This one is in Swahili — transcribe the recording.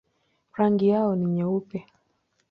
Rangi yao ni nyeupe.